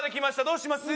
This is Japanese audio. どうします？